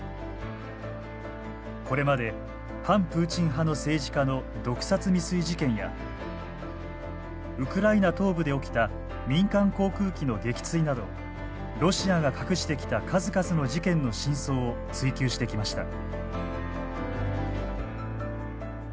これまで反プーチン派の政治家の毒殺未遂事件やウクライナ東部で起きた民間航空機の撃墜などロシアが隠してきた数々の事件の真相を追求してきました。